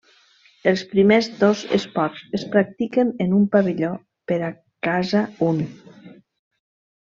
Els primers dos esports es practiquen en un pavelló per a casa un.